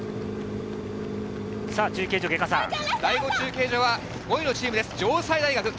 第５中継所は、５位のチームです。